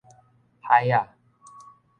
海仔